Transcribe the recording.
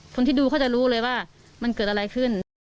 คนที่ดูเขาจะรู้เลยว่ามันเกิดอะไรขึ้น